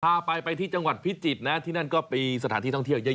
พาไปไปที่จังหวัดพิจิตรนะที่นั่นก็มีสถานที่ท่องเที่ยวเยอะ